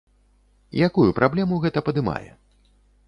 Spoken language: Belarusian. Якую праблему гэта падымае?